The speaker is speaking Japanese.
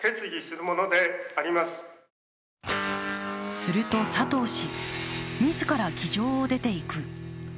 すると佐藤氏、自ら議場を出て行く。